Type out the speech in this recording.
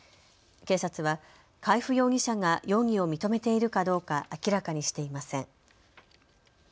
警察は海部容疑者が容疑を認めているかどうか明らかにしていません。